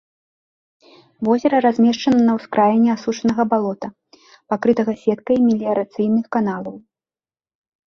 Возера размешчана на ўскраіне асушанага балота, пакрытага сеткай меліярацыйных каналаў.